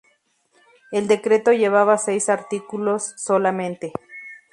El decreto llevaba seis artículos solamente.